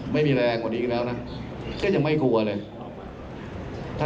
ไม่มีแลงค่อนข้างกันดีแน่วนะ